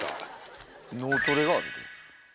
脳トレがあるって。